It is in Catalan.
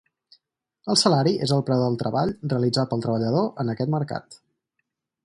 El salari és el preu del treball realitzat pel treballador en aquest mercat.